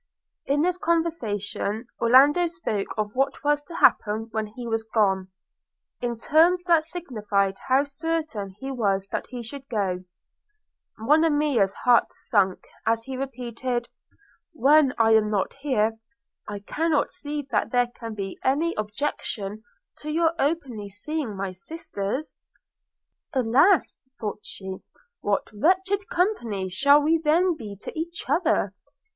In this conversation Orlando spoke of what was to happen when he was gone, in terms that signified how certain he was that he should go. Monimia's heart sunk as he repeated, 'When I am not here, I cannot see that there can be any objection to your openly seeing my sisters,' – 'Alas!' thought she, 'what wretched company shall we then be to each other!